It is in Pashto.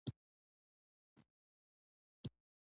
له دې وېرې مه کوئ چې بې ساري یاستئ.